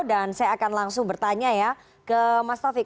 dan saya akan langsung bertanya ya ke mas taufik